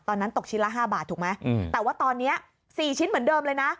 ตอนนั้นตกชิ้นละ๕บาทถูกไหมแต่ว่าตอนนี้๔ชิ้นเหมือนเดิมเลยนะ